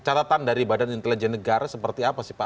catatan dari badan intelijen negara seperti apa sih pak